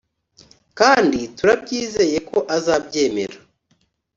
kandi turabyizeye ko azabyemera ”